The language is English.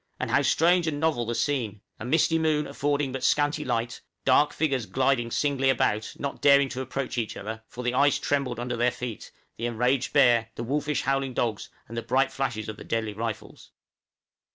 And how strange and novel the scene! A misty moon affording but scanty light dark figures gliding singly about, not daring to approach each other, for the ice trembled under their feet the enraged bear, the wolfish howling dogs, and the bright flashes of the deadly rifles.